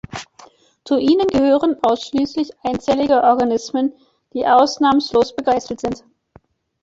Zu ihnen gehören ausschließlich einzellige Organismen, die ausnahmslos begeißelt sind.